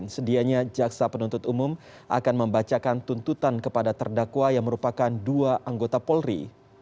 sedianya jaksa penuntut umum akan membacakan tuntutan kepada terdakwa yang merupakan dua anggota polri